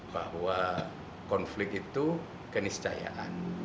bahwa konflik itu kenisjayaan